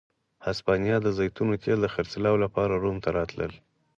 هسپانیا د زیتونو تېل د خرڅلاو لپاره روم ته راتلل.